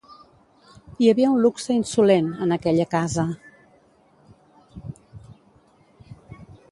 Hi havia un luxe insolent, en aquella casa.